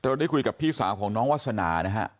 ตอนนี้คุยกับพี่สาวของน้องวัษนานะครับ